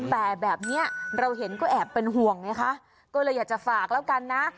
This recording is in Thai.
แต่แบบนี้เราเห็นก็แอบเป็นห่วงไงคะก็เลยอยากจะฝากแล้วกันนะ